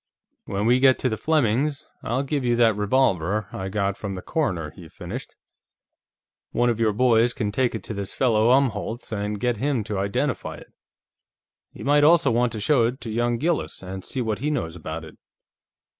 "When we get to the Flemings', I'll give you that revolver I got from the coroner," he finished. "One of your boys can take it to this fellow Umholtz, and get him to identify it. You might also show it to young Gillis, and see what he knows about it.